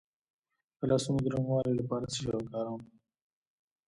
د لاسونو د نرموالي لپاره څه شی وکاروم؟